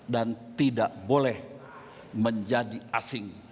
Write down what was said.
dan tidak boleh menjadi asing